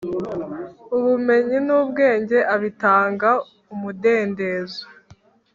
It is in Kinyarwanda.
ubumenyi n'ubwenge abitanga umudendezo